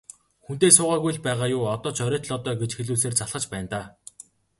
Хүнтэй суугаагүй л байгаа юу, одоо ч оройтлоо доо гэж хэлүүлсээр залхаж байна даа.